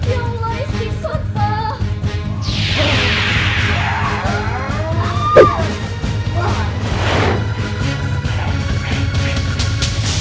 eh kalian ngapain di sini